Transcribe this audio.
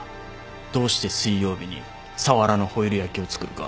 どうして水曜日にサワラのホイル焼きを作るか。